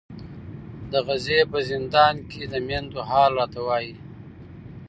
د غزې په زندان کې د میندو حال راته وایي.